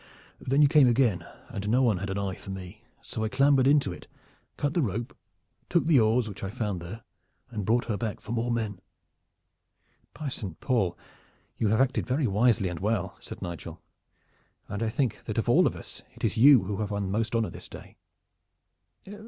Then you came again, and no one had an eye for me, so I clambered into it, cut the rope, took the oars which I found there and brought her back for more men." "By Saint Paul! you have acted very wisely and well," said Nigel, "and I think that of all of us it is you who have won most honor this day.